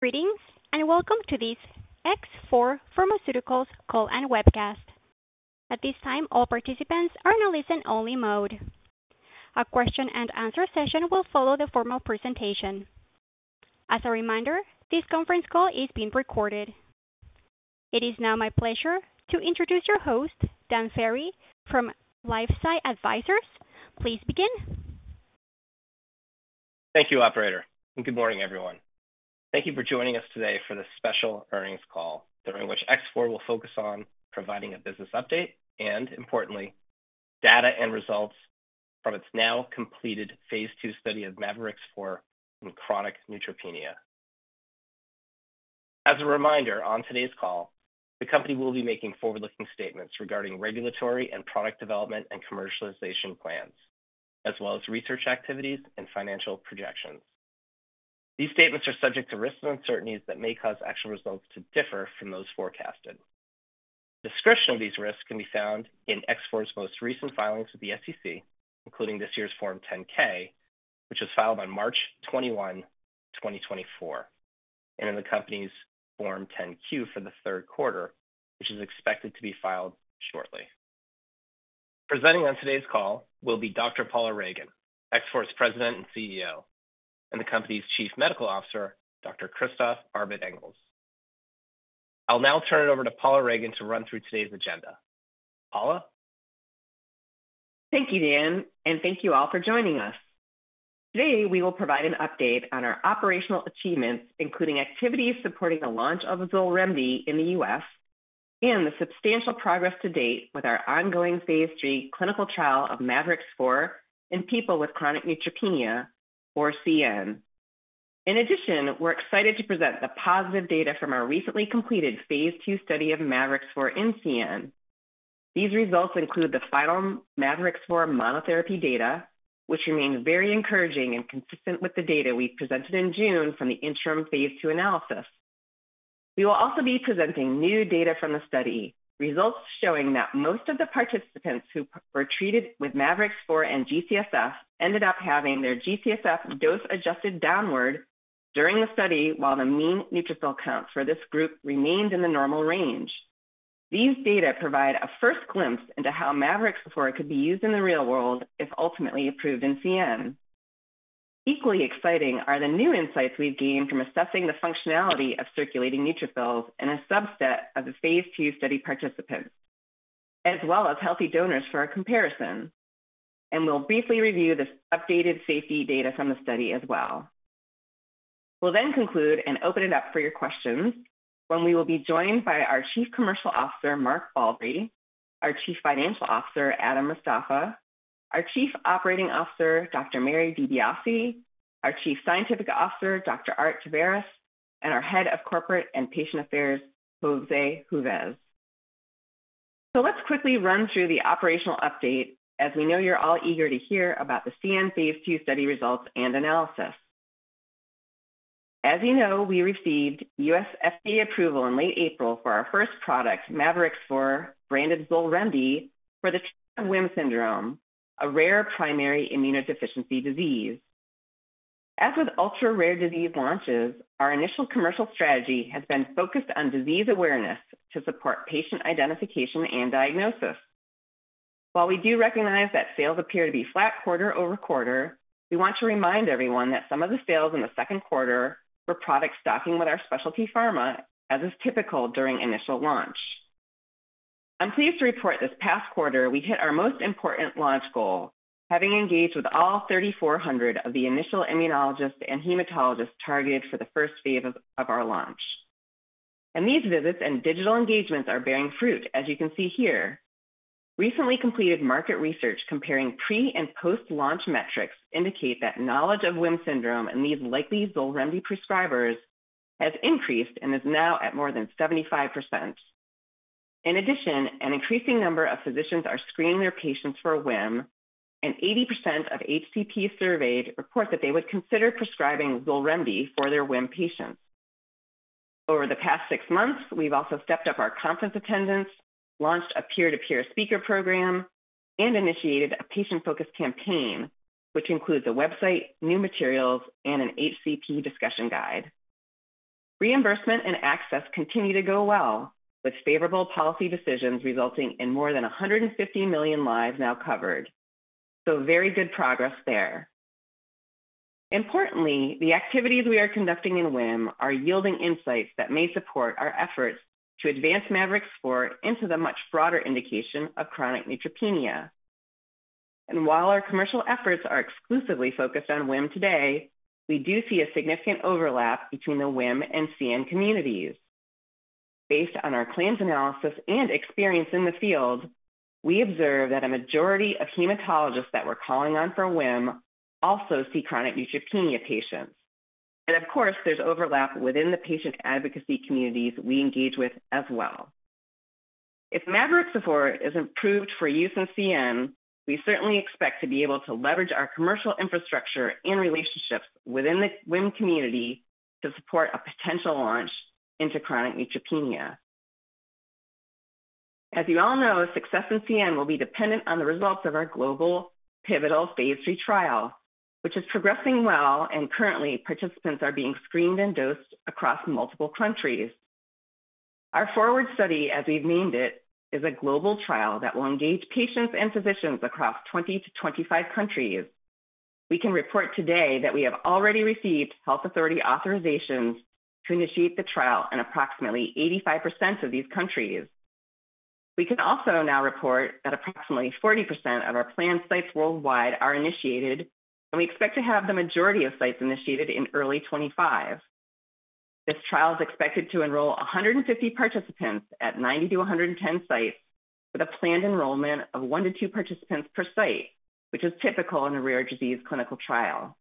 Greetings and welcome to this X4 Pharmaceuticals Call and Webcast. At this time, all participants are in a listen-only mode. A question-and-answer session will follow the formal presentation. As a reminder, this conference call is being recorded. It is now my pleasure to introduce your host, Dan Ferry, from LifeSci Advisors. Please begin. Thank you, Operator. Good morning, everyone. Thank you for joining us today for this special earnings call, during which X4 will focus on providing a business update and, importantly, data and results from its now-completed Phase II study of mavorixafor for chronic neutropenia. As a reminder, on today's call, the company will be making forward-looking statements regarding regulatory and product development and commercialization plans, as well as research activities and financial projections. These statements are subject to risks and uncertainties that may cause actual results to differ from those forecasted. A description of these risks can be found in X4's most recent filings with the SEC, including this year's Form 10-K, which was filed on March 21, 2024, and in the company's Form 10-Q for the third quarter, which is expected to be filed shortly. Presenting on today's call will be Dr. Paula Ragan, X4's President and CEO, and the company's Chief Medical Officer, Dr. Christophe Arbet-Engels. I'll now turn it over to Paula Ragan to run through today's agenda. Paula? Thank you, Dan, and thank you all for joining us. Today, we will provide an update on our operational achievements, including activities supporting the launch of XOLREMDI in the U.S. and the substantial progress to date with our ongoing Phase III clinical trial of mavorixafor for people with chronic neutropenia, or CN. In addition, we're excited to present the positive data from our recently completed Phase II study of mavorixafor for CN. These results include the final mavorixafor monotherapy data, which remains very encouraging and consistent with the data we presented in June from the interim phase II analysis. We will also be presenting new data from the study, results showing that most of the participants who were treated with mavorixafor and G-CSF ended up having their G-CSF dose adjusted downward during the study, while the mean neutrophil count for this group remained in the normal range. These data provide a first glimpse into how mavorixafor could be used in the real world if ultimately approved in CN. Equally exciting are the new insights we've gained from assessing the functionality of circulating neutrophils in a subset of the phase II study participants, as well as healthy donors for our comparison, and we'll briefly review the updated safety data from the study as well. We'll then conclude and open it up for your questions when we will be joined by our Chief Commercial Officer, Mark Baldry, our Chief Financial Officer, Adam Mostafa, our Chief Operating Officer, Dr. Mary DiBiase, our Chief Scientific Officer, Dr. Art Taveras, and our Head of Corporate and Patient Affairs, José Juves, so let's quickly run through the operational update, as we know you're all eager to hear about the CN Phase II study results and analysis. As you know, we received U.S. FDA approval in late April for our first product, mavorixafor branded XOLREMDI for the treatment of WHIM syndrome, a rare primary immunodeficiency disease. As with ultra-rare disease launches, our initial commercial strategy has been focused on disease awareness to support patient identification and diagnosis. While we do recognize that sales appear to be flat quarter over quarter, we want to remind everyone that some of the sales in the second quarter were product stocking with our specialty pharma, as is typical during initial launch. I'm pleased to report this past quarter, we hit our most important launch goal, having engaged with all 3,400 of the initial immunologists and hematologists targeted for the first phase of our launch. And these visits and digital engagements are bearing fruit, as you can see here. Recently completed market research comparing pre- and post-launch metrics indicates that knowledge of WHIM syndrome in these likely XOLREMDI prescribers has increased and is now at more than 75%. In addition, an increasing number of physicians are screening their patients for WHIM, and 80% of HCP surveyed report that they would consider prescribing XOLREMDI for their WHIM patients. Over the past six months, we've also stepped up our conference attendance, launched a peer-to-peer speaker program, and initiated a patient-focused campaign, which includes a website, new materials, and an HCP discussion guide. Reimbursement and access continue to go well, with favorable policy decisions resulting in more than 150 million lives now covered. So very good progress there. Importantly, the activities we are conducting in WHIM are yielding insights that may support our efforts to advance mavorixafor into the much broader indication of chronic neutropenia. And while our commercial efforts are exclusively focused on WHIM today, we do see a significant overlap between the WHIM and CN communities. Based on our claims analysis and experience in the field, we observe that a majority of hematologists that were calling on for WHIM also see chronic neutropenia patients. And of course, there's overlap within the patient advocacy communities we engage with as well. If mavorixafor is approved for use in CN, we certainly expect to be able to leverage our commercial infrastructure and relationships within the WHIM community to support a potential launch into chronic neutropenia. As you all know, success in CN will be dependent on the results of our global pivotal phase III trial, which is progressing well, and currently, participants are being screened and dosed across multiple countries. Our 4WARD study, as we've named it, is a global trial that will engage patients and physicians across 20-25 countries. We can report today that we have already received health authority authorizations to initiate the trial in approximately 85% of these countries. We can also now report that approximately 40% of our planned sites worldwide are initiated, and we expect to have the majority of sites initiated in early 2025. This trial is expected to enroll 150 participants at 90-110 sites, with a planned enrollment of one to two participants per site, which is typical in a rare disease clinical trial.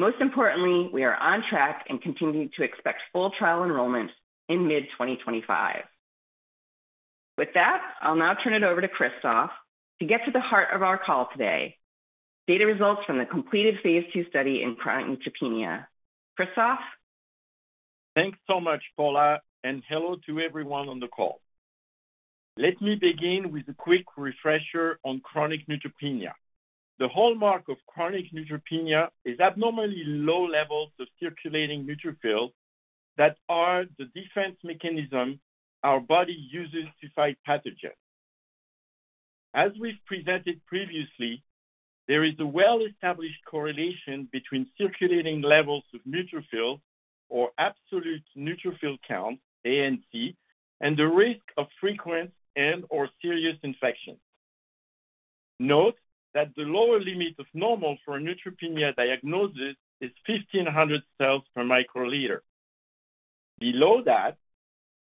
Most importantly, we are on track and continue to expect full trial enrollment in mid-2025. With that, I'll now turn it over to Christophe to get to the heart of our call today: data results from the completed phase II study in chronic neutropenia. Christophe? Thanks so much, Paula, and hello to everyone on the call. Let me begin with a quick refresher on chronic neutropenia. The hallmark of chronic neutropenia is abnormally low levels of circulating neutrophils that are the defense mechanism our body uses to fight pathogens. As we've presented previously, there is a well-established correlation between circulating levels of neutrophils, or absolute neutrophil count, ANC, and the risk of frequent and/or serious infections. Note that the lower limit of normal for a neutropenia diagnosis is 1,500 cells per microliter. Below that,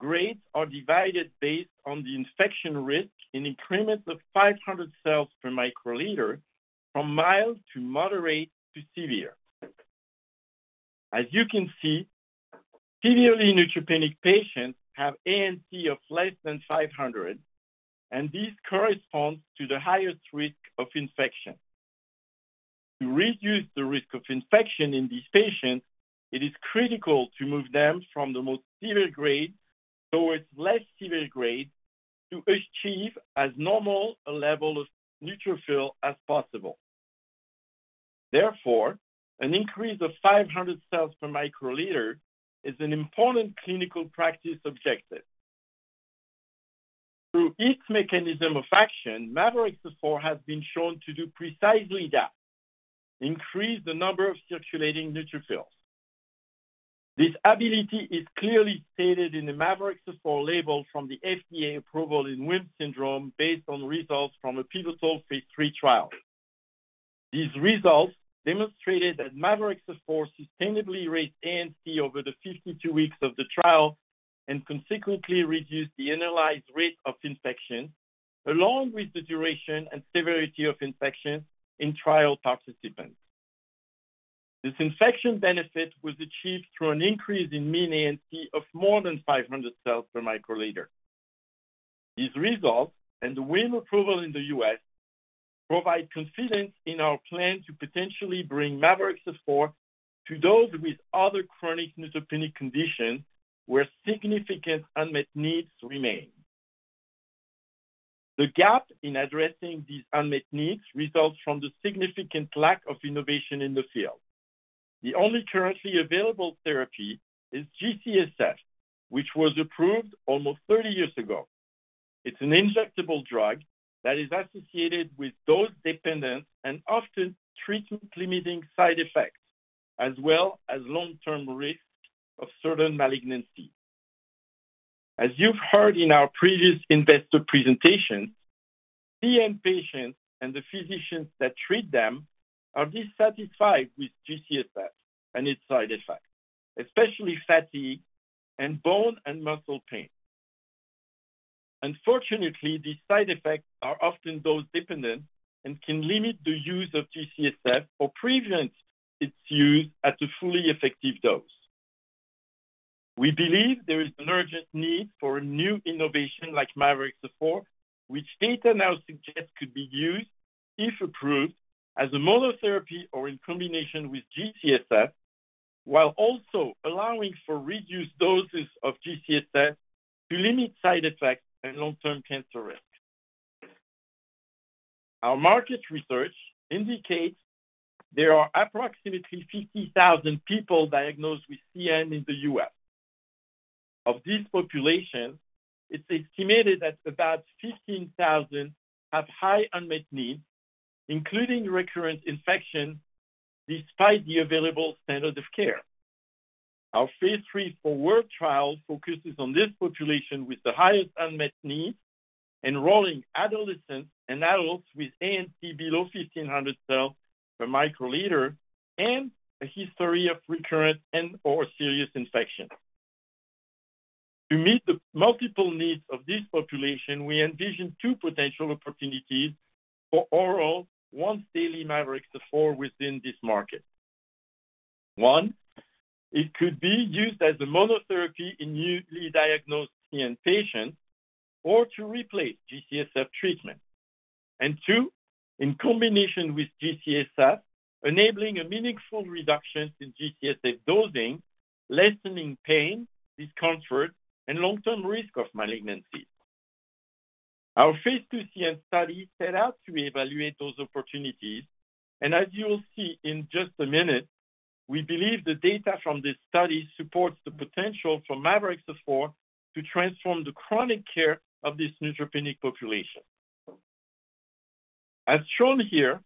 grades are divided based on the infection risk in increments of 500 cells per microliter from mild to moderate to severe. As you can see, severely neutropenic patients have ANC of less than 500, and this corresponds to the highest risk of infection. To reduce the risk of infection in these patients, it is critical to move them from the most severe grade towards less severe grade to achieve as normal a level of neutrophil as possible. Therefore, an increase of 500 cells per microliter is an important clinical practice objective. Through its mechanism of action, mavorixafor has been shown to do precisely that: increase the number of circulating neutrophils. This ability is clearly stated in the mavorixafor label from the FDA approval in WHIM syndrome based on results from a pivotal Phase III trial. These results demonstrated that mavorixafor sustainably raised ANC over the 52 weeks of the trial and consequently reduced the analyzed rate of infection, along with the duration and severity of infections in trial participants. This infection benefit was achieved through an increase in mean ANC of more than 500 cells per microliter. These results and the WHIM approval in the U.S. provide confidence in our plan to potentially bring mavorixafor to those with other chronic neutropenic conditions where significant unmet needs remain. The gap in addressing these unmet needs results from the significant lack of innovation in the field. The only currently available therapy is G-CSF, which was approved almost 30 years ago. It's an injectable drug that is associated with dose-dependent and often treatment-limiting side effects, as well as long-term risks of certain malignancies. As you've heard in our previous investor presentations, CN patients and the physicians that treat them are dissatisfied with G-CSF and its side effects, especially fatigue and bone and muscle pain. Unfortunately, these side effects are often dose-dependent and can limit the use of G-CSF or prevent its use at a fully effective dose. We believe there is an urgent need for a new innovation like mavorixafor, which data now suggests could be used, if approved, as a monotherapy or in combination with G-CSF, while also allowing for reduced doses of G-CSF to limit side effects and long-term cancer risks. Our market research indicates there are approximately 50,000 people diagnosed with CN in the U.S. Of these populations, it's estimated that about 15,000 have high unmet needs, including recurrent infections, despite the available standards of care. Our Phase III FORWARD trial focuses on this population with the highest unmet needs, enrolling adolescents and adults with ANC below 1,500 cells per microliter and a history of recurrent and/or serious infections. To meet the multiple needs of this population, we envision two potential opportunities for oral once-daily mavorixafor within this market. One, it could be used as a monotherapy in newly diagnosed CN patients or to replace GCSF treatment. And two, in combination with GCSF, enabling a meaningful reduction in GCSF dosing, lessening pain, discomfort, and long-term risk of malignancies. Our phase II CN study set out to evaluate those opportunities. And as you will see in just a minute, we believe the data from this study supports the potential for mavorixafor to transform the chronic care of this neutropenic population. As shown here,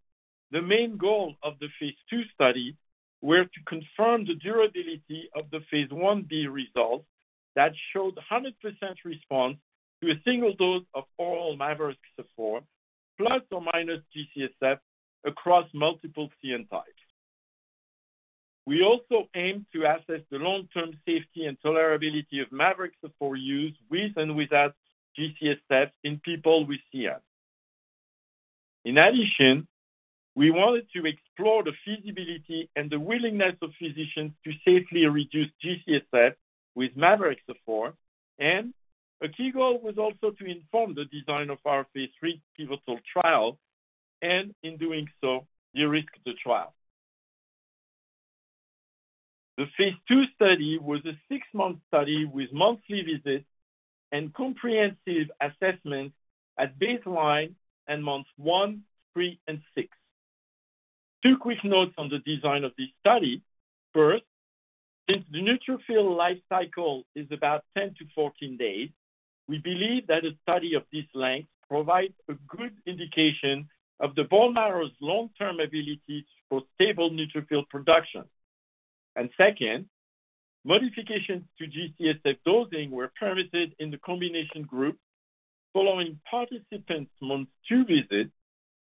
the main goal of the phase II study was to confirm the durability of the Phase Ib results that showed 100% response to a single dose of oral mavorixafor plus or minus GCSF across multiple CN types. We also aim to assess the long-term safety and tolerability of mavorixafor use with and without GCSF in people with CN. In addition, we wanted to explore the feasibility and the willingness of physicians to safely reduce G-CSF with mavorixafor. And a key goal was also to inform the design of our Phase III pivotal trial and, in doing so, the risk of the trial. The Phase II study was a six-month study with monthly visits and comprehensive assessments at baseline and months one, three, and six. Two quick notes on the design of this study. First, since the neutrophil life cycle is about 10 to 14 days, we believe that a study of this length provides a good indication of the bone marrow's long-term ability for stable neutrophil production. And second, modifications to G-CSF dosing were permitted in the combination group following participants' month two visits.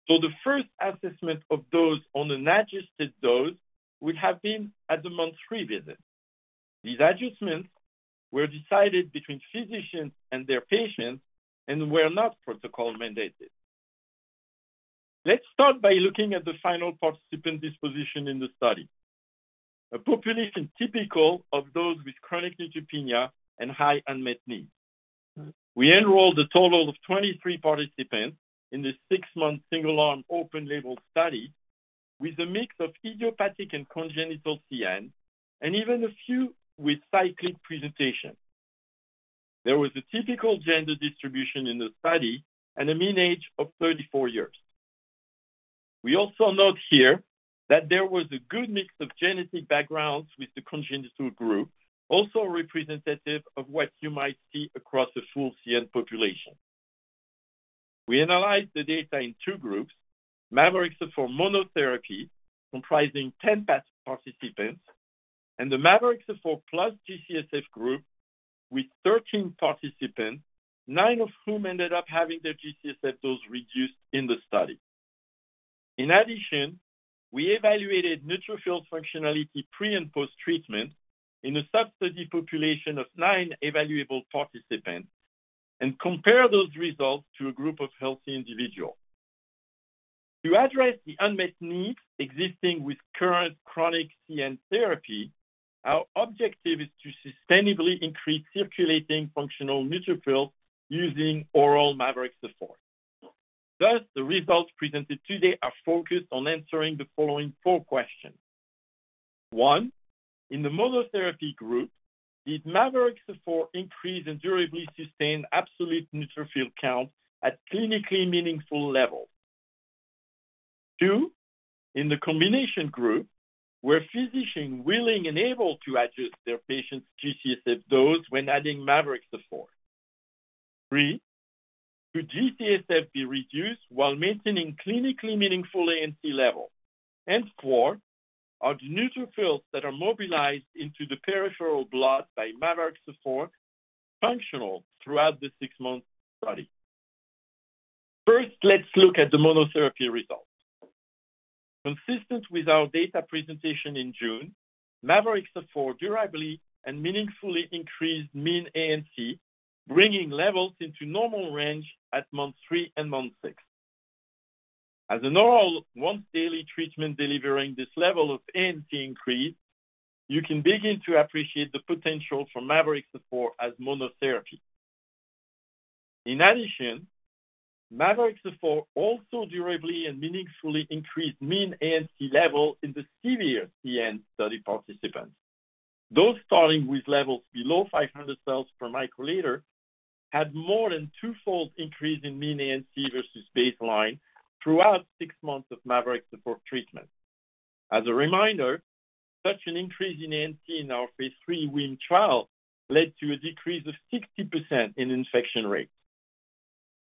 So the first assessment of those on an adjusted dose would have been at the month three visit. These adjustments were decided between physicians and their patients and were not protocol-mandated. Let's start by looking at the final participant disposition in the study: a population typical of those with chronic neutropenia and high unmet needs. We enrolled a total of 23 participants in the six-month single-arm open-label study with a mix of idiopathic and congenital CN, and even a few with cyclic presentation. There was a typical gender distribution in the study and a mean age of 34 years. We also note here that there was a good mix of genetic backgrounds with the congenital group, also representative of what you might see across a full CN population. We analyzed the data in two groups: mavorixafor monotherapy, comprising 10 participants, and the mavorixafor plus G-CSF group with 13 participants, nine of whom ended up having their G-CSF dose reduced in the study. In addition, we evaluated neutrophil functionality pre- and post-treatment in a sub-study population of nine evaluable participants and compared those results to a group of healthy individuals. To address the unmet needs existing with current chronic CN therapy, our objective is to sustainably increase circulating functional neutrophils using oral mavorixafor. Thus, the results presented today are focused on answering the following four questions. One, in the monotherapy group, did mavorixafor increase and durably sustain absolute neutrophil count at clinically meaningful levels? Two, in the combination group, were physicians willing and able to adjust their patients' G-CSF dose when adding mavorixafor? Three, could G-CSF be reduced while maintaining clinically meaningful ANC level? And four, are the neutrophils that are mobilized into the peripheral blood by mavorixafor functional throughout the six-month study? First, let's look at the monotherapy results. Consistent with our data presentation in June, mavorixafor durably and meaningfully increased mean ANC, bringing levels into normal range at month three and month six. As an oral once-daily treatment delivering this level of ANC increase, you can begin to appreciate the potential for mavorixafor as monotherapy. In addition, mavorixafor also durably and meaningfully increased mean ANC level in the severe CN study participants. Those starting with levels below 500 cells per microliter had more than twofold increase in mean ANC versus baseline throughout six months of mavorixafor treatment. As a reminder, such an increase in ANC in our phase III WHIM trial led to a decrease of 60% in infection rate.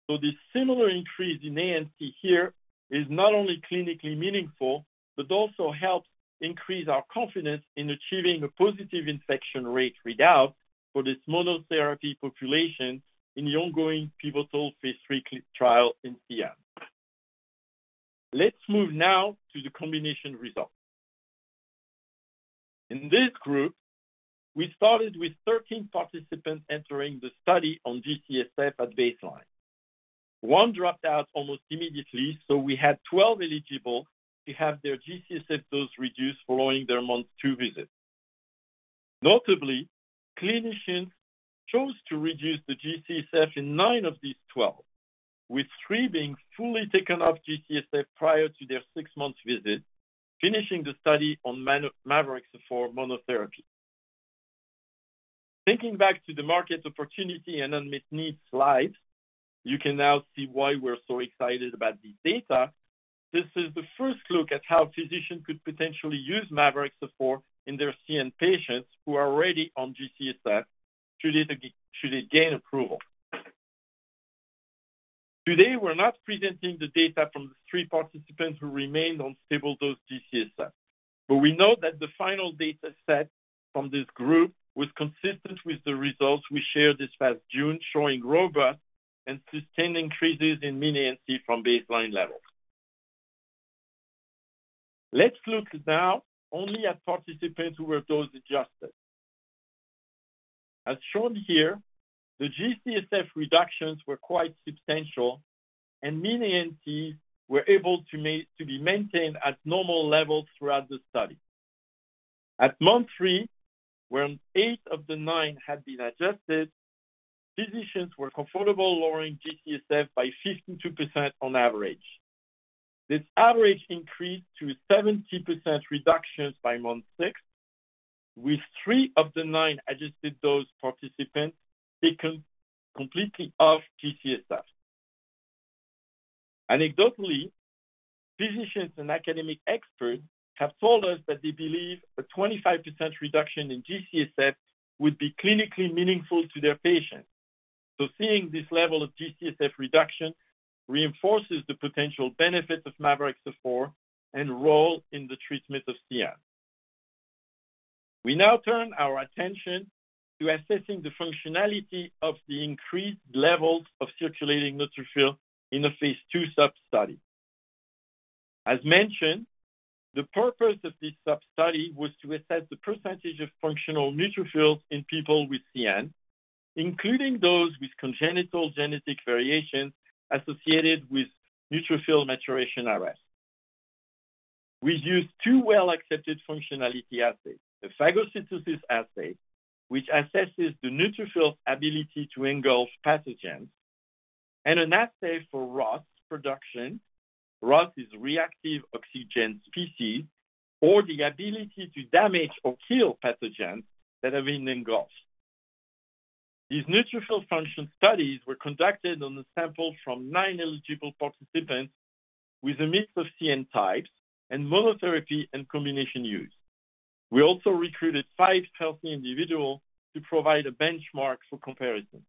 So this similar increase in ANC here is not only clinically meaningful, but also helps increase our confidence in achieving a positive infection rate readout for this monotherapy population in the ongoing pivotal phase III trial in CN. Let's move now to the combination results. In this group, we started with 13 participants entering the study on G-CSF at baseline. One dropped out almost immediately, so we had 12 eligible to have their G-CSF dose reduced following their month two visit. Notably, clinicians chose to reduce the G-CSF in nine of these 12, with three being fully taken off G-CSF prior to their six-month visit, finishing the study on mavorixafor monotherapy. Thinking back to the market opportunity and unmet needs slides, you can now see why we're so excited about these data. This is the first look at how physicians could potentially use mavorixafor in their CN patients who are already on G-CSF should they gain approval. Today, we're not presenting the data from the three participants who remained on stable dose G-CSF, but we know that the final data set from this group was consistent with the results we shared this past June, showing robust and sustained increases in mean ANC from baseline levels. Let's look now only at participants who were dose adjusted. As shown here, the G-CSF reductions were quite substantial, and mean ANCs were able to be maintained at normal levels throughout the study. At month three, when eight of the nine had been adjusted, physicians were comfortable lowering G-CSF by 52% on average. This average increased to 70% reductions by month six, with three of the nine adjusted dose participants taken completely off G-CSF. Anecdotally, physicians and academic experts have told us that they believe a 25% reduction in G-CSF would be clinically meaningful to their patients. So seeing this level of G-CSF reduction reinforces the potential benefits of mavorixafor and role in the treatment of CN. We now turn our attention to assessing the functionality of the increased levels of circulating neutrophil in the Phase II sub-study. As mentioned, the purpose of this sub-study was to assess the percentage of functional neutrophils in people with CN, including those with congenital genetic variations associated with neutrophil maturation arrest. We used two well-accepted functionality assays, the phagocytosis assay, which assesses the neutrophil's ability to engulf pathogens, and an assay for ROS production, ROS is reactive oxygen species, or the ability to damage or kill pathogens that have been engulfed. These neutrophil function studies were conducted on a sample from nine eligible participants with a mix of CN types and monotherapy and combination use. We also recruited five healthy individuals to provide a benchmark for comparison.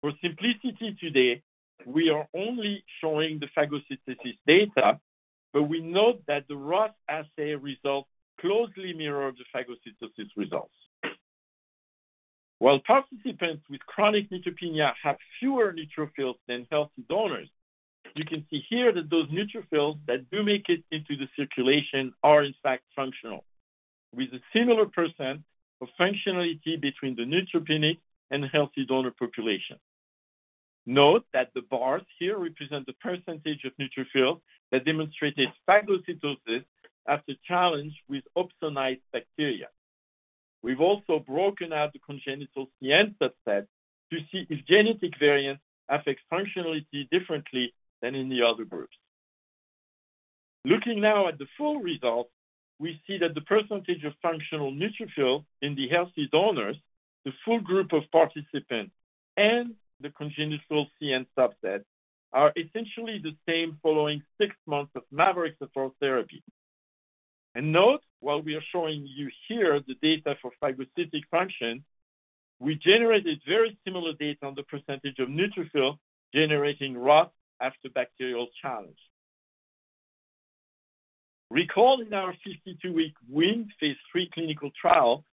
For simplicity today, we are only showing the phagocytosis data, but we note that the ROS assay results closely mirror the phagocytosis results. While participants with chronic neutropenia have fewer neutrophils than healthy donors, you can see here that those neutrophils that do make it into the circulation are, in fact, functional, with a similar % of functionality between the neutropenic and healthy donor population. Note that the bars here represent the % of neutrophils that demonstrated phagocytosis after challenge with opsonized bacteria. We've also broken out the congenital CN subset to see if genetic variants affect functionality differently than in the other groups. Looking now at the full results, we see that the percentage of functional neutrophils in the healthy donors, the full group of participants, and the congenital CN subset are essentially the same following six months of mavorixafor therapy, and note, while we are showing you here the data for phagocytic function, we generated very similar data on the percentage of neutrophils generating ROS after bacterial challenge. Recall in our 52-week WHIM Phase III clinical trial,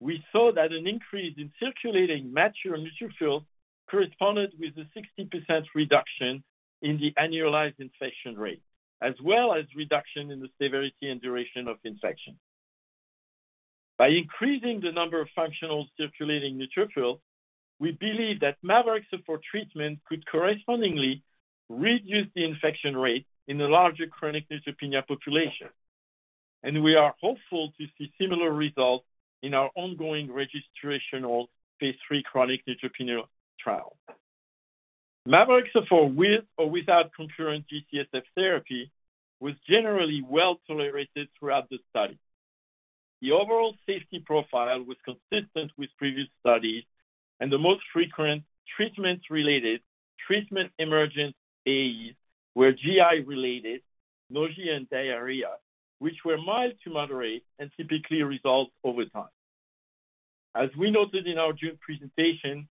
we saw that an increase in circulating mature neutrophils corresponded with a 60% reduction in the annualized infection rate, as well as reduction in the severity and duration of infection. By increasing the number of functional circulating neutrophils, we believe that mavorixafor treatment could correspondingly reduce the infection rate in a larger chronic neutropenia population, and we are hopeful to see similar results in our ongoing registration phase III chronic neutropenia trial. Mavorixafor with or without concurrent G-CSF therapy was generally well tolerated throughout the study. The overall safety profile was consistent with previous studies, and the most frequent treatment-related treatment-emergent AEs were GI-related nausea and diarrhea, which were mild to moderate and typically resolved over time. As we noted in our June presentation,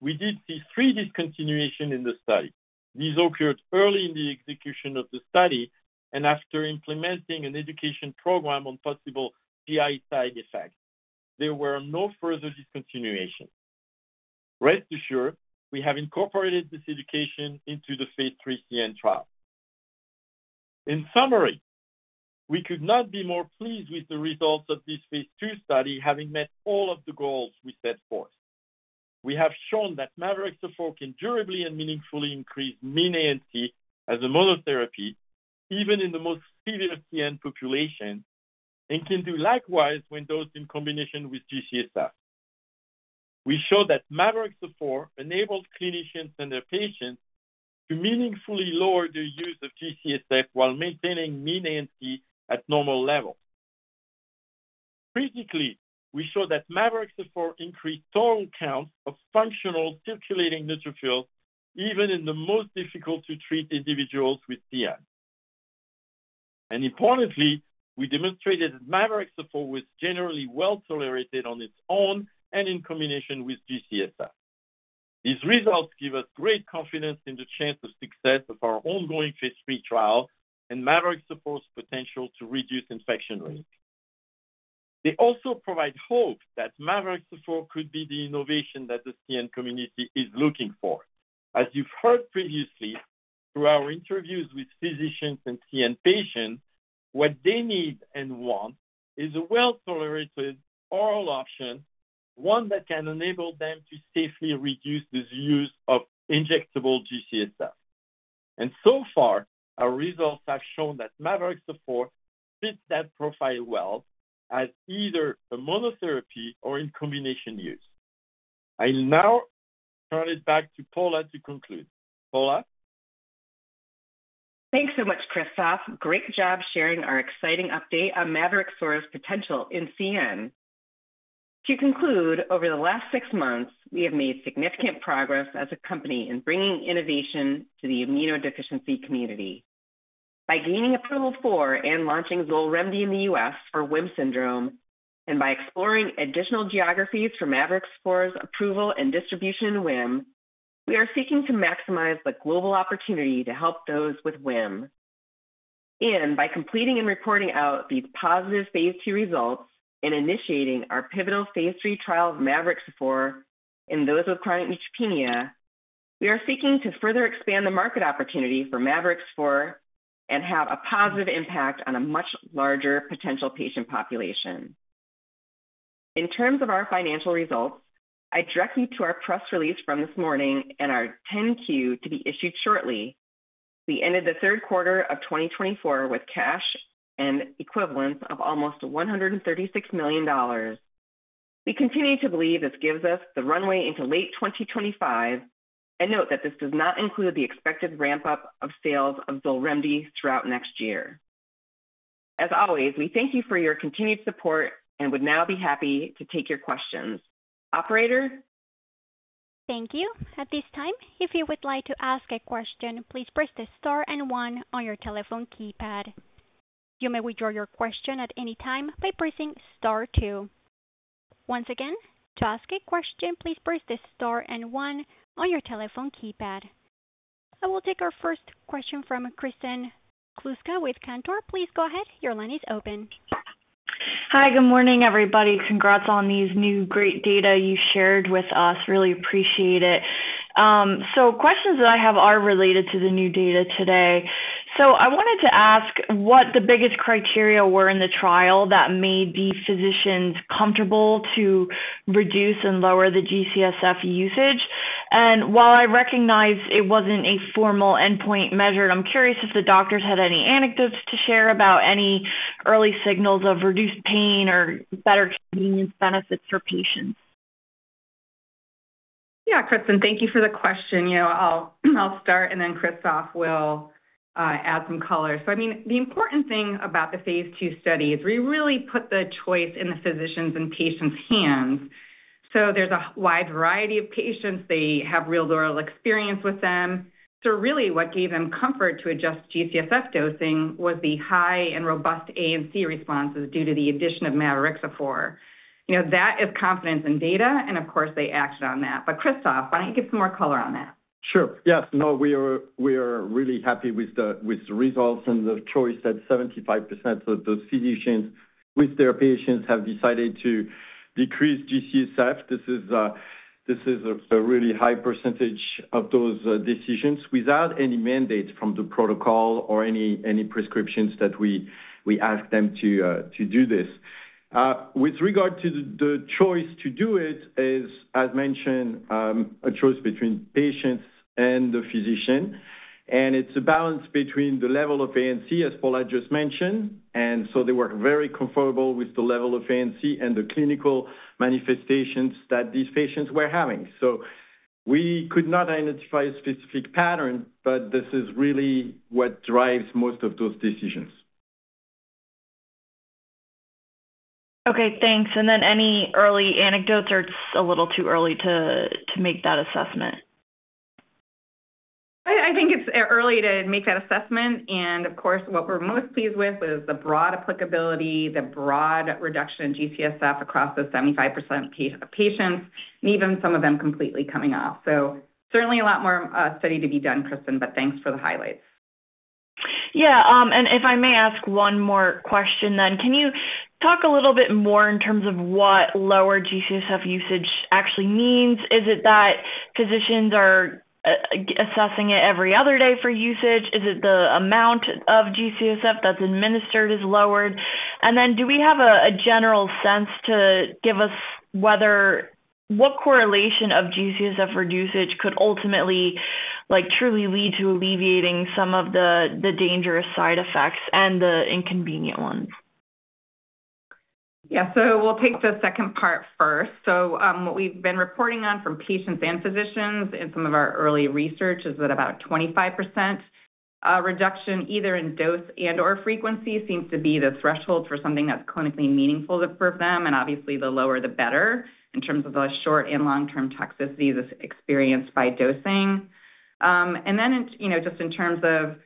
we did see three discontinuations in the study. These occurred early in the execution of the study and after implementing an education program on possible GI side effects. There were no further discontinuations. Rest assured, we have incorporated this education into the Phase III CN trial. In summary, we could not be more pleased with the results of this phase II study having met all of the goals we set forth. We have shown that mavorixafor can durably and meaningfully increase mean ANC as a monotherapy, even in the most severe CN population, and can do likewise when dosed in combination with G-CSF. We showed that mavorixafor enabled clinicians and their patients to meaningfully lower their use of G-CSF while maintaining mean ANC at normal levels. Critically, we showed that mavorixafor increased total counts of functional circulating neutrophils, even in the most difficult to treat individuals with CN, and importantly, we demonstrated that mavorixafor was generally well tolerated on its own and in combination with G-CSF. These results give us great confidence in the chance of success of our ongoing phase III trial and mavorixafor's potential to reduce infection rates. They also provide hope that mavorixafor could be the innovation that the CN community is looking for. As you've heard previously, through our interviews with physicians and CN patients, what they need and want is a well-tolerated oral option, one that can enable them to safely reduce the use of injectable G-CSF. And so far, our results have shown that mavorixafor fits that profile well as either a monotherapy or in combination use. I'll now turn it back to Paula to conclude. Paula. Thanks so much, Christophe. Great job sharing our exciting update on mavorixafor's potential in CN. To conclude, over the last six months, we have made significant progress as a company in bringing innovation to the immunodeficiency community. By gaining approval for and launching XOLREMDI in the U.S. for WHIM syndrome, and by exploring additional geographies for mavorixafor's approval and distribution in WHIM, we are seeking to maximize the global opportunity to help those with WHIM. By completing and reporting out these positive phase II results and initiating our pivotal phase III trial of mavorixafor in those with chronic neutropenia, we are seeking to further expand the market opportunity for mavorixafor and have a positive impact on a much larger potential patient population. In terms of our financial results, I direct you to our press release from this morning and our 10-Q to be issued shortly. We ended the third quarter of 2024 with cash and equivalents of almost $136 million. We continue to believe this gives us the runway into late 2025, and note that this does not include the expected ramp-up of sales of XOLREMDI throughout next year. As always, we thank you for your continued support and would now be happy to take your questions. Operator. Thank you. At this time, if you would like to ask a question, please press the star and one on your telephone keypad. You may withdraw your question at any time by pressing star two. Once again, to ask a question, please press the star and one on your telephone keypad. I will take our first question from Kristen Kluska with Cantor. Please go ahead. Your line is open. Hi, good morning, everybody. Congrats on these new great data you shared with us. Really appreciate it. So questions that I have are related to the new data today. So I wanted to ask what the biggest criteria were in the trial that made the physicians comfortable to reduce and lower the G-CSF usage. And while I recognize it wasn't a formal endpoint measured, I'm curious if the doctors had any anecdotes to share about any early signals of reduced pain or better convenience benefits for patients. Yeah, Kristen, thank you for the question. I'll start, and then Christophe will add some color. So I mean, the important thing about the Phase II study is we really put the choice in the physicians' and patients' hands. So there's a wide variety of patients. They have real-world experience with them. So really, what gave them comfort to adjust G-CSF dosing was the high and robust ANC responses due to the addition of mavorixafor. That is confidence in data, and of course, they acted on that. But Christophe, why don't you give some more color on that? Sure. Yes. No, we are really happy with the results and the choice that 75% of the physicians with their patients have decided to decrease G-CSF. This is a really high percentage of those decisions without any mandates from the protocol or any prescriptions that we ask them to do this. With regard to the choice to do it, as mentioned, a choice between patients and the physician. And it's a balance between the level of ANC, as Paula just mentioned, and so they were very comfortable with the level of ANC and the clinical manifestations that these patients were having. So we could not identify a specific pattern, but this is really what drives most of those decisions. Okay, thanks. And then any early anecdotes or it's a little too early to make that assessment? I think it's early to make that assessment. And of course, what we're most pleased with is the broad applicability, the broad reduction in G-CSF across the 75% patients, and even some of them completely coming off. So certainly a lot more study to be done, Kristen, but thanks for the highlights. Yeah. And if I may ask one more question then, can you talk a little bit more in terms of what lower G-CSF usage actually means? Is it that physicians are assessing it every other day for usage? Is it the amount of G-CSF that's administered is lowered? And then do we have a general sense to give us what correlation of G-CSF reducers could ultimately truly lead to alleviating some of the dangerous side effects and the inconvenient ones? Yeah. So we'll take the second part first. So what we've been reporting on from patients and physicians in some of our early research is that about 25% reduction either in dose and/or frequency seems to be the threshold for something that's clinically meaningful for them. And obviously, the lower, the better in terms of the short and long-term toxicities experienced by dosing. And then just in terms of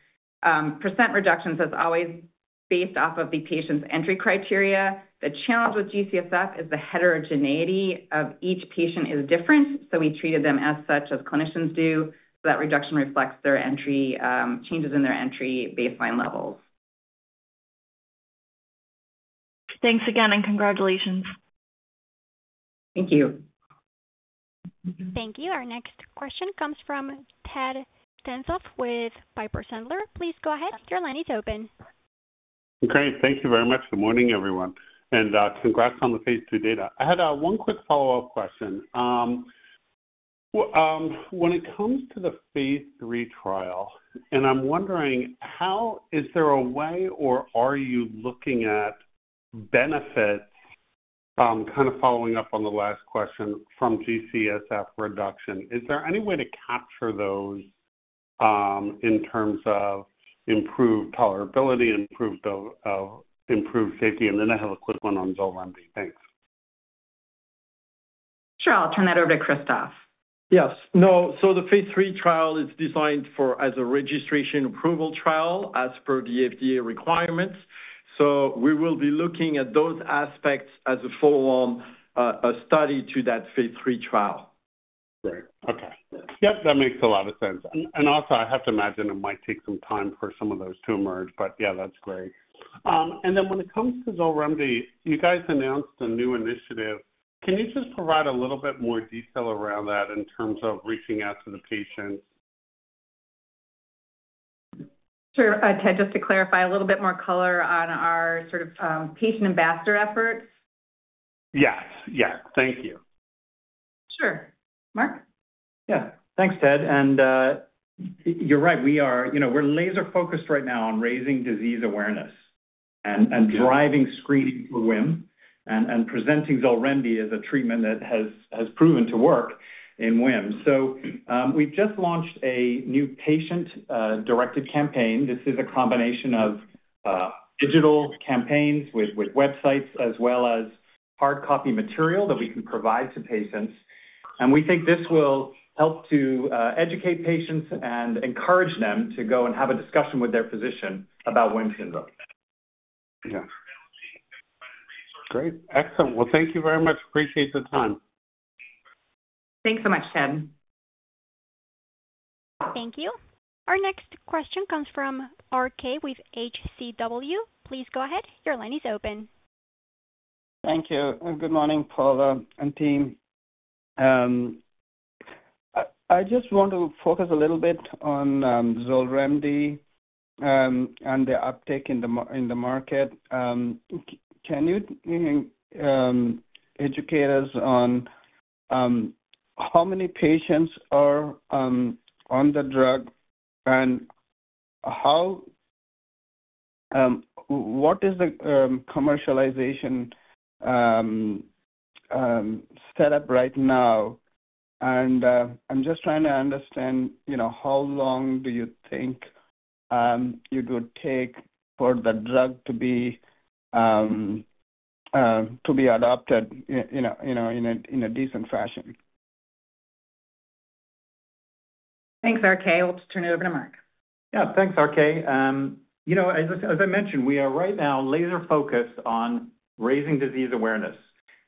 % reductions, that's always based off of the patient's entry criteria. The challenge with G-CSF is the heterogeneity of each patient is different. So we treated them as such as clinicians do, so that reduction reflects their entry changes in their entry baseline levels. Thanks again, and congratulations. Thank you. Thank you. Our next question comes from Ted Tenthoff with Piper Sandler. Please go ahead. Your line is open. Okay. Thank you very much. Good morning, everyone. And congrats on the Phase II data. I had one quick follow-up question. When it comes to the phase III trial, and I'm wondering, is there a way or are you looking at benefits, kind of following up on the last question from G-CSF reduction? Is there any way to capture those in terms of improved tolerability, improved safety? And then I have a quick one on XOLREMDI. Thanks. Sure. I'll turn that over to Christophe. Yes. No, so the phase III trial is designed as a registration approval trial as per the FDA requirements. So we will be looking at those aspects as a full-on study to that Phase III trial. Great. Okay. Yep, that makes a lot of sense. And also, I have to imagine it might take some time for some of those to emerge. But yeah, that's great. And then when it comes to XOLREMDI, you guys announced a new initiative. Can you just provide a little bit more detail around that in terms of reaching out to the patients? Sure. Ted, just to clarify a little bit more color on our sort of patient ambassador efforts. Yes. Yes. Thank you. Sure. Mark? Yeah. Thanks, Ted. And you're right. We're laser-focused right now on raising disease awareness and driving screening for WHIM and presenting XOLREMDI as a treatment that has proven to work in WHIM. So we've just launched a new patient-directed campaign. This is a combination of digital campaigns with websites as well as hardcopy material that we can provide to patients. And we think this will help to educate patients and encourage them to go and have a discussion with their physician about WHIM syndrome. Yeah. Great. Excellent. Well, thank you very much. Appreciate the time. Thanks so much, Ted. Thank you. Our next question comes from RK with HCW. Please go ahead. Your line is open. Thank you. Good morning, Paula and team. I just want to focus a little bit on XOLREMDI and the uptake in the market. Can you educate us on how many patients are on the drug and what is the commercialization setup right now? And I'm just trying to understand how long do you think it would take for the drug to be adopted in a decent fashion? Thanks, RK. We'll just turn it over to Mark. Yeah. Thanks, RK. As I mentioned, we are right now laser-focused on raising disease awareness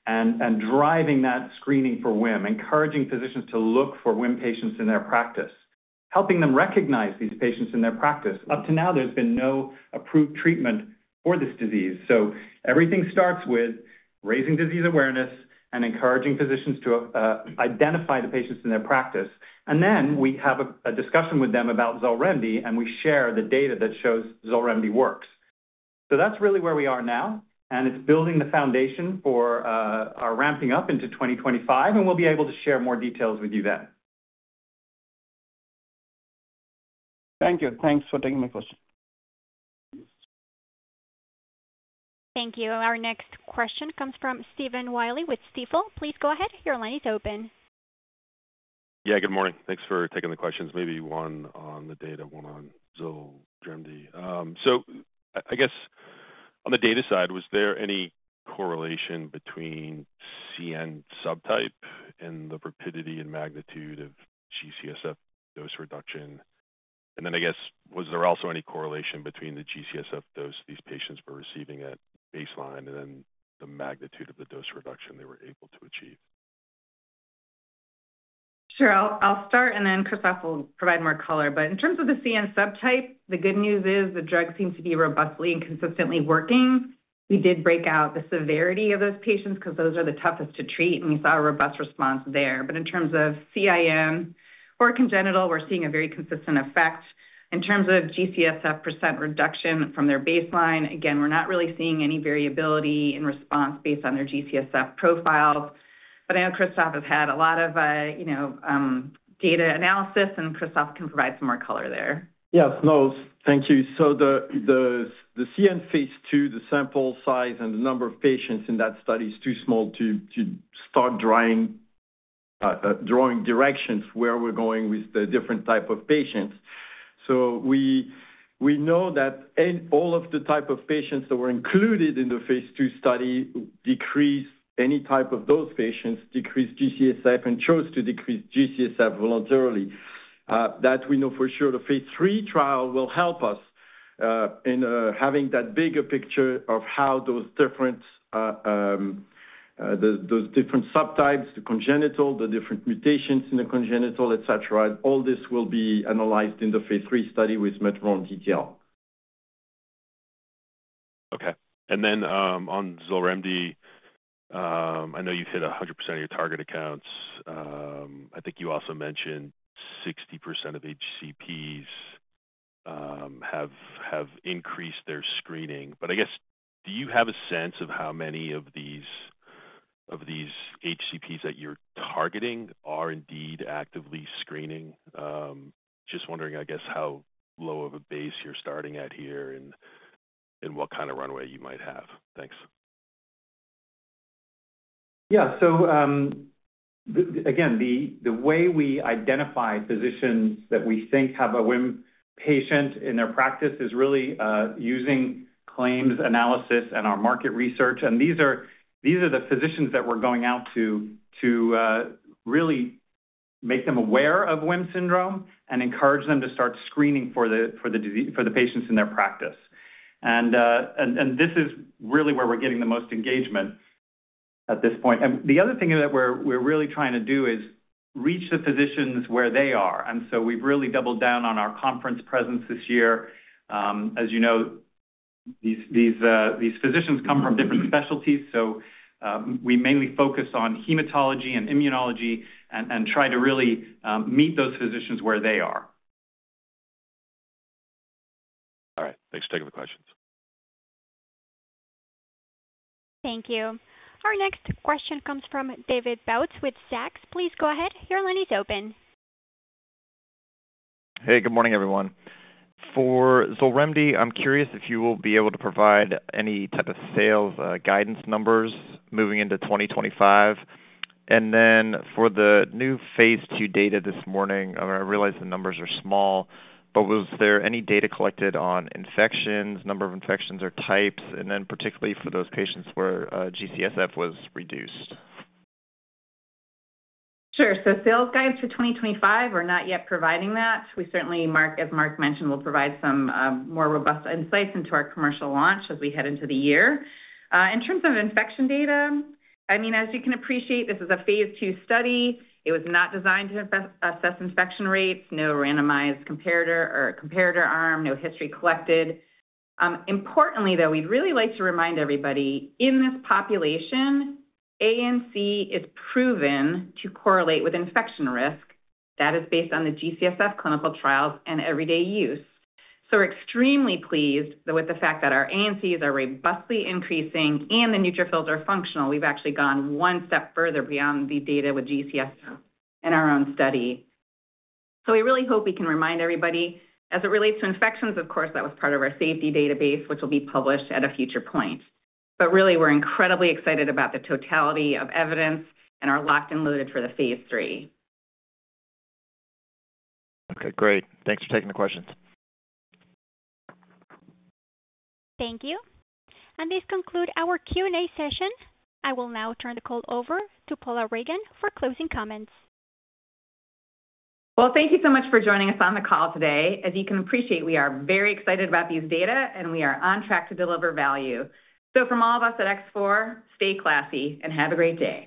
and driving that screening for WHIM, encouraging physicians to look for WHIM patients in their practice, helping them recognize these patients in their practice. Up to now, there's been no approved treatment for this disease. So everything starts with raising disease awareness and encouraging physicians to identify the patients in their practice. And then we have a discussion with them about XOLREMDI, and we share the data that shows XOLREMDI works. So that's really where we are now. And it's building the foundation for our ramping up into 2025, and we'll be able to share more details with you then. Thank you. Thanks for taking my question. Thank you. Our next question comes from Stephen Willey with Stifel. Please go ahead. Your line is open. Yeah. Good morning. Thanks for taking the questions. Maybe one on the data, one on XOLREMDI. So I guess on the data side, was there any correlation between CN subtype and the rapidity and magnitude of G-CSF dose reduction? And then I guess, was there also any correlation between the G-CSF dose these patients were receiving at baseline and then the magnitude of the dose reduction they were able to achieve? Sure. I'll start, and then Christophe will provide more color. But in terms of the CN subtype, the good news is the drug seems to be robustly and consistently working. We did break out the severity of those patients because those are the toughest to treat, and we saw a robust response there. But in terms of CN or congenital, we're seeing a very consistent effect. In terms of G-CSF % reduction from their baseline, again, we're not really seeing any variability in response based on their G-CSF profiles. But I know Christophe has had a lot of data analysis, and Christophe can provide some more color there. Yes. No, thank you. The CN Phase II, the sample size and the number of patients in that study is too small to start drawing directions where we're going with the different type of patients. So we know that all of the type of patients that were included in the Phase II study decreased any type of those patients, decreased G-CSF, and chose to decrease G-CSF voluntarily. That we know for sure the phase III trial will help us in having that bigger picture of how those different subtypes, the congenital, the different mutations in the congenital, etc., all this will be analyzed in the Phase III study with much more detail. Okay. And then on XOLREMDI, I know you've hit 100% of your target accounts. I think you also mentioned 60% of HCPs have increased their screening. But I guess, do you have a sense of how many of these HCPs that you're targeting are indeed actively screening? Just wondering, I guess, how low of a base you're starting at here and what kind of runway you might have. Thanks. Yeah. So again, the way we identify physicians that we think have a WHIM patient in their practice is really using claims analysis and our market research. And these are the physicians that we're going out to really make them aware of WHIM syndrome and encourage them to start screening for the patients in their practice. And this is really where we're getting the most engagement at this point. And the other thing that we're really trying to do is reach the physicians where they are. And so we've really doubled down on our conference presence this year. As you know, these physicians come from different specialties. So we mainly focus on hematology and immunology and try to really meet those physicians where they are. All right. Thanks. Take the questions. Thank you. Our next question comes from David Bautz with Zacks. Please go ahead. Your line is open. Hey. Good morning, everyone. For XOLREMDI, I'm curious if you will be able to provide any type of sales guidance numbers moving into 2025. And then for the new phase II data this morning, I realize the numbers are small, but was there any data collected on infections, number of infections, or types, and then particularly for those patients where G-CSF was reduced? Sure. So sales guides for 2025, we're not yet providing that. We certainly, as Mark mentioned, will provide some more robust insights into our commercial launch as we head into the year. In terms of infection data, I mean, as you can appreciate, this is a phase II study. It was not designed to assess infection rates, no randomized comparator arm, no history collected. Importantly, though, we'd really like to remind everybody, in this population, ANC is proven to correlate with infection risk. That is based on the G-CSF clinical trials and everyday use. So we're extremely pleased with the fact that our ANCs are robustly increasing and the neutrophils are functional. We've actually gone one step further beyond the data with G-CSF in our own study. So we really hope we can remind everybody. As it relates to infections, of course, that was part of our safety database, which will be published at a future point. But really, we're incredibly excited about the totality of evidence and are locked and loaded for the phase III. Okay. Great. Thanks for taking the questions. Thank you. This concludes our Q&A session. I will now turn the call over to Paula Ragan for closing comments. Thank you so much for joining us on the call today. As you can appreciate, we are very excited about these data, and we are on track to deliver value. From all of us at X4, stay classy and have a great day.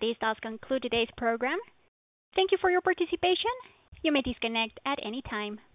This does conclude today's program. Thank you for your participation. You may disconnect at any time.